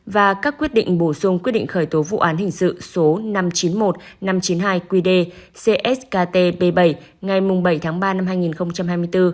và các quyết định bổ sung quyết định khởi tố vụ án hình sự số năm trăm chín mươi một năm trăm chín mươi hai qd ckt bảy ngày bảy tháng ba năm hai nghìn hai mươi bốn